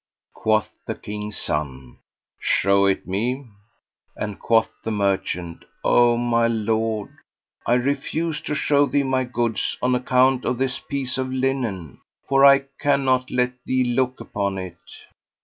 Quoth the King's son, "Show it me;" and quoth the merchant, "O my lord, I refused to show thee my goods on account of this piece of linen; for I cannot let thee look upon it."